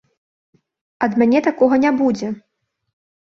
Ад мяне такога не будзе!